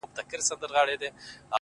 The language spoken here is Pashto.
پاس پر پالنگه اكثر;